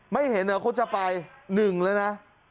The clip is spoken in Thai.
ไม่เห็นเขาจะไป๑แล้วนะ